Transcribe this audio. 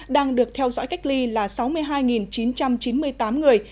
đang được theo dõi cách ly là sáu mươi hai chín trăm chín mươi tám người